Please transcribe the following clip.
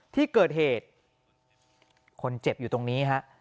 ที่เกิดเหตุคนเจ็บอยู่ตรงนี้ฮะ